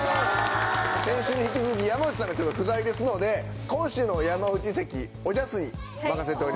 先週に引き続き山内さんがちょっと不在ですので今週の山内席おじゃすに任せております。